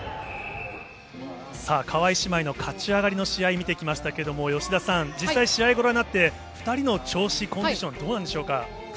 さあ、川井姉妹の勝ち上がりの試合見てきましたけれども、吉田さん、実際試合をご覧になって、２人の調子、コンディション、どうなんでしょうか。